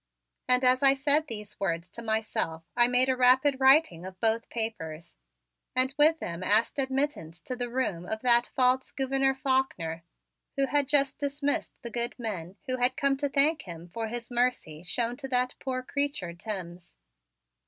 And as I said these words to myself I made a rapid writing of both papers and with them asked admittance to the room of that false Gouverneur Faulkner, who had just dismissed the good men who had come to thank him for his mercy shown to that poor creature Timms.